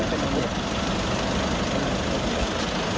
พวกมีตัวเอาไปกินรถ